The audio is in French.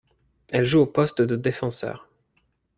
Elle joue au poste de défenseur.